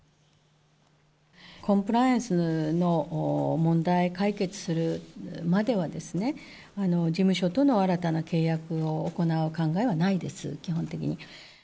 コンプライアンスの問題を解決するまでは、事務所との新たな契約を行う考えはないです、基本的に。